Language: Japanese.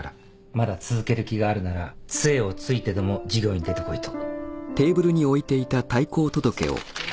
まだ続ける気があるならつえを突いてでも授業に出てこいと。